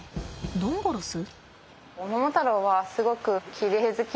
ドンゴロス？